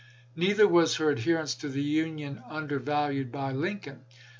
Neither was her adherence to the Union undervalued by Lin coln.